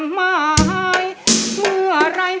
เพื่อจะไปชิงรางวัลเงินล้าน